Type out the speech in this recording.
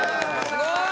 すごい！